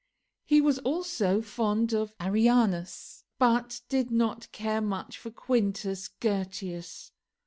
He was also fond of Arrianus, but did not care much for Quintus Gurtius.